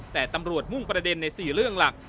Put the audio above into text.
แต่ตำรวจมุ่งประเด็นใน๔เรื่องหลัก